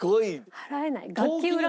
払えない。